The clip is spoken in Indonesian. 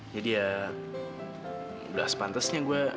jadi ya udah sepantesnya gue